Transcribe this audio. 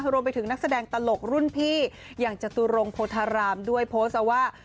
รวมไปถึงนักแสดงตลกรุ่นพี่อย่างจตุรงโพธารามด้วยโพสต์เอาว่า